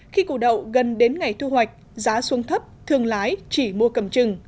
khi củ đậu gần đến ngày thu hoạch giá xuống thấp thương lái chỉ mua cầm chừng